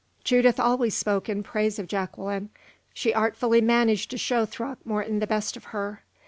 Judith always spoke in praise of Jacqueline; she artfully managed to show Throckmorton the best of her.